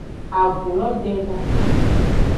Agu lo den ba.